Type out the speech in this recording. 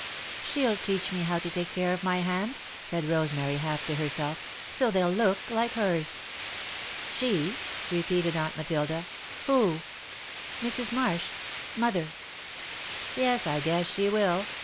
"She'll teach me how to take care of my hands," said Rosemary, half to herself, "so they'll look like hers." "She?" repeated Aunt Matilda. "Who?" [Sidenote: Matilda's Compensation] "Mrs. Marsh mother." "Yes, I guess she will.